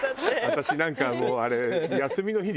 私なんかもうあれ。